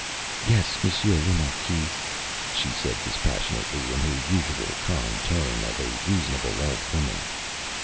ÂYes, Monsieur le Marquis,Â she said dispassionately, in her usual calm tone of a reasonable old woman.